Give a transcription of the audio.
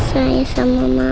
tidak mau pulang dulu ya